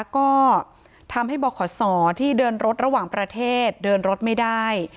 ก็ทำให้บขศที่เดินรถระหว่างประเทศเดินรถไม่ได้